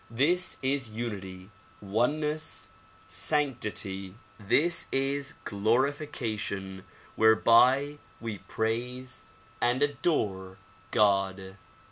This is unity, oneness, sanctity; this is glorification whereby we praise and adore God.